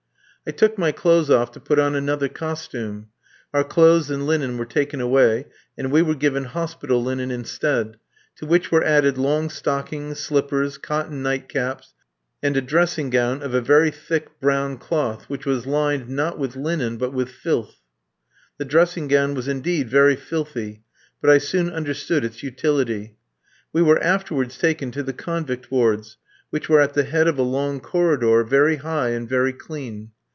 I took my clothes off to put on another costume. Our clothes and linen were taken away, and we were given hospital linen instead, to which were added long stockings, slippers, cotton nightcaps, and a dressing gown of a very thick brown cloth, which was lined, not with linen, but with filth. The dressing gown was indeed very filthy, but I soon understood its utility. We were afterwards taken to the convict wards, which were at the head of a long corridor, very high, and very clean.